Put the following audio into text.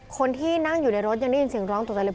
คนที่นั่งอยู่ในรถยังได้ยินเสียงร้องตกใจเลย